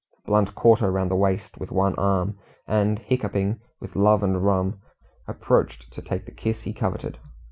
Blunt caught her round the waist with one arm, and hiccuping with love and rum, approached to take the kiss he coveted.